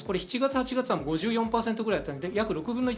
７月・８月は５４％くらいだったんです。